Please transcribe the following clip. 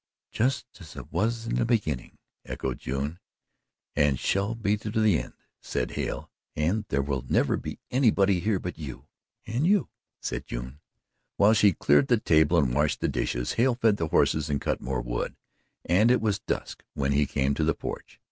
"Just as it was in the beginning," echoed June. "And shall be to the end," said Hale. "And there will never be anybody here but you." "And you," said June. While she cleared the table and washed the dishes Hale fed the horses and cut more wood, and it was dusk when he came to the porch.